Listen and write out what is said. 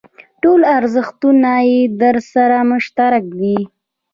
ټول ارزښتونه یې درسره مشترک دي.